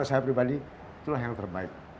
saya pribadi itulah yang terbaik